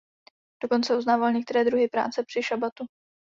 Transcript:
Dokonce uznával některé druhy práce při šabatu.